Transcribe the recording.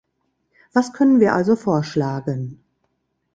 Was können wir also vorschlagen?